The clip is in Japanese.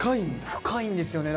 深いんですよね。